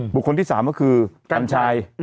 บุคคลที่๓ก็คือกัญชัย